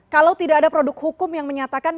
kalau tidak ada produk hukum yang menyatakan